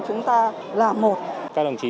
chúng ta là một các đồng chí